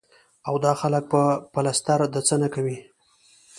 او دا خلک به پلستر د څۀ نه کوي ـ